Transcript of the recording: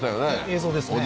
映像ですね